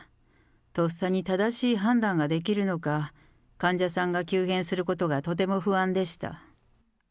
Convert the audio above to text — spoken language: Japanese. とっさに正しい判断ができるのか、患者さんが急変することがとても不安でした。